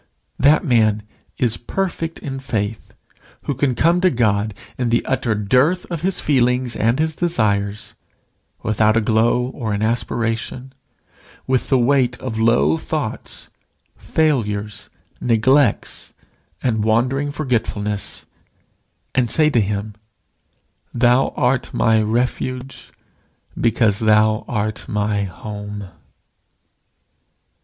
That man is perfect in faith who can come to God in the utter dearth of his feelings and his desires, without a glow or an aspiration, with the weight of low thoughts, failures, neglects, and wandering forgetfulness, and say to him, "Thou art my refuge, because thou art my home."